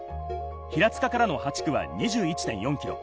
平塚からの８区は２１．４ｋｍ。